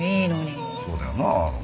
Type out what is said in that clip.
そうだよなあ。